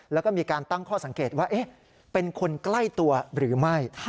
แล้วก็มีการตั้งข้อสังเกตว่าเป็นคนใกล้ตัวหรือไม่